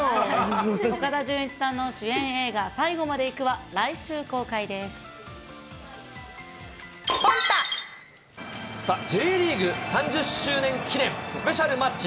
岡田准一さんの主演映画、さあ、Ｊリーグ３０周年記念スペシャルマッチ。